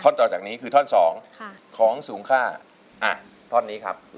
ต่อจากนี้คือท่อนสองค่ะของสูงค่าอ่ะท่อนนี้ครับ